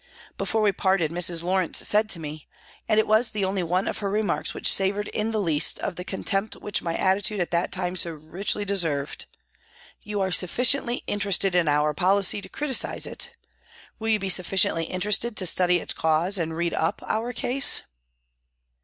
Before we parted, Mrs. Lawrence said to me, and it was the only one of her remarks which savoured in the least of the contempt which my attitude at that time so richly deserved, " You are sufficiently interested in our policy to criticise it, will you be sufficiently interested to study its cause and read up our case